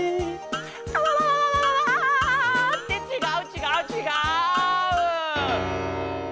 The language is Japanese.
「あわわわ」。ってちがうちがうちがう！